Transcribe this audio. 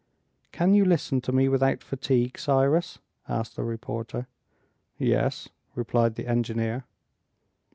"Can you listen to me without fatigue, Cyrus?" asked the reporter. "Yes," replied the engineer.